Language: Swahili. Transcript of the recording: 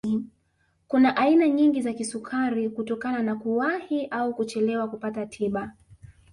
Kuna aina nyingi za kisukari kutokana na kuwahi au kuchelewa kupata tiba